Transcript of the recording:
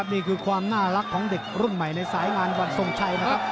นี่คือความน่ารักของเด็กรุ่นใหม่ในสายงานวันทรงชัยนะครับ